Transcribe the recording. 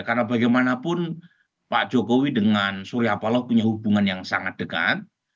karena bagaimanapun pak jokowi dengan surya paloh punya hubungan yang sangat dekat